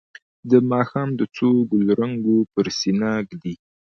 د ماښام د څو ګلرنګو پر سینه ږدي